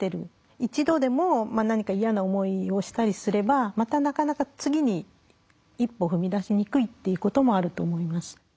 一度でも何か嫌な思いをしたりすればまたなかなか次に一歩踏み出しにくいっていうこともあると思います。